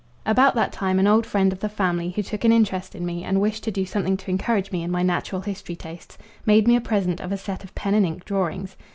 About that time an old friend of the family, who took an interest in me and wished to do something to encourage me in my natural history tastes, made me a present of a set of pen and ink drawings.